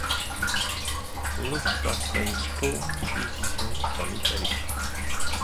Luftwaffen-Sturm-Division en Italie.